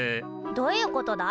どういうことだ？